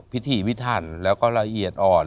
ถีพิถันแล้วก็ละเอียดอ่อน